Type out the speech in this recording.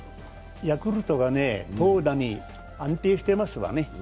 ヤクルトが投打に安定していますわね。